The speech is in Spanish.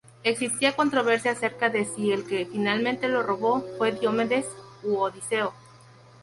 Existía controversia acerca de si el que finalmente lo robó fue Diomedes u Odiseo.